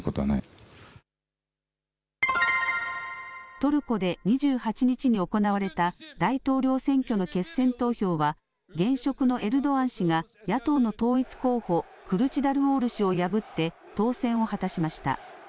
トルコで２８日に行われた大統領選挙の決選投票は、現職のエルドアン氏が、野党の統一候補、クルチダルオール氏を破って当選を果たしました。